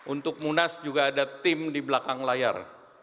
untuk munas juga ada tim di belakang layar